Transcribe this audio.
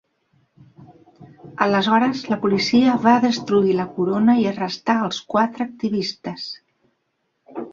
Aleshores la policia va destruir la corona i arrestar els quatre activistes.